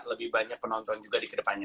lebih banyak penonton juga di kedepannya